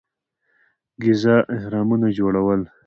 ګیزا اهرامونه جوړول.